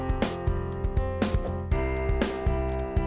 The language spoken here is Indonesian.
aduh aduh aduh aduh